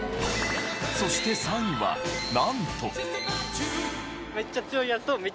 そして３位はなんと。